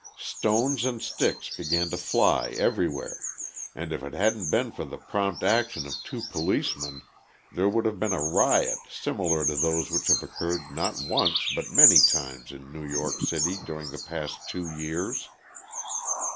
Stones and sticks began to fly everywhere, and if it hadn't been for the prompt action of two policemen there would have been a riot similar to those which have occurred not once but many times in New York City during the past two years.